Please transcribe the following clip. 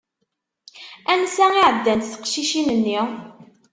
Ansa i ɛeddant teqcicin-nni?